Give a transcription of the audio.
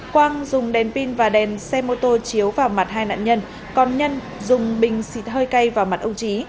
quang dùng đèn pin và đèn xe mô tô chiếu vào mặt hai nạn nhân còn nhân dùng bình xịt hơi cay vào mặt ông trí